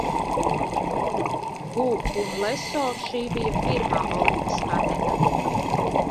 Gu un Leso šī bija pirmā olimpiskā medaļa.